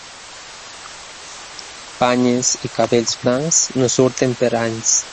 Banyes i cabells blancs, no surten per anys.